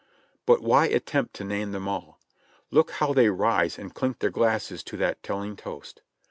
But why attempt to name them all ! Look how they rise and clink their glasses to that telling toast.